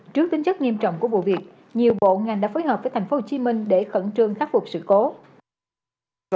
trước tính chất nghiêm trọng của bộ việc nhiều bộ ngành đã phối hợp với thành phố hồ chí minh để khẩn trương khắc phục sự cố